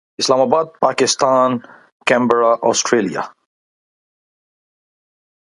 Islamabad Pakistan Canberra Australia